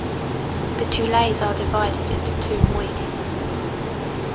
The Tolais are divided into two moieties.